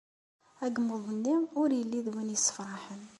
Agmuḍ-nni ur yelli d win yessefraḥen.